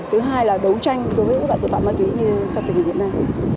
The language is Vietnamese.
thứ hai là đấu tranh đối với các loại tổ tạp ma túy như trong tình hình việt nam